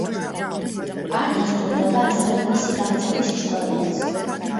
არ დასტურდება ასევე მისი გაქცევის ისტორიაც.